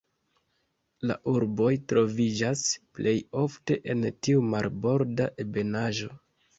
La urboj troviĝas plej ofte en tiu marborda ebenaĵo.